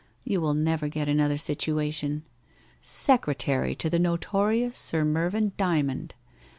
You will never get another situation. " Sec retary to the notorious Sir Mervyn Dymond!